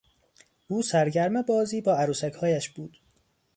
او سرگرم بازی با عروسکهایش بود.